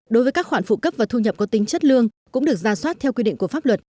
đối với các khoản phụ cấp và thu nhập có tính chất lương cũng được ra soát theo quy định của pháp luật